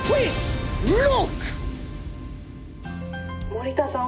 森田さん